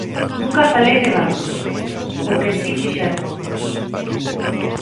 Nunca falei de bandos, o que si fixeron outros.